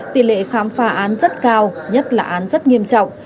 tỷ lệ khám phá án rất cao nhất là án rất nghiêm trọng